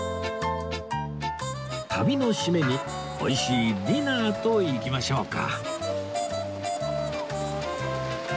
旅の締めにおいしいディナーといきましょうか